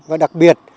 và đặc biệt